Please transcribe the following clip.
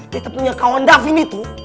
kita punya kawan davin itu